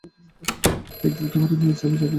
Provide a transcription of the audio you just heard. একদিন তোমারে নিয়ে চলে যাবো আমাদের বাড়িতে।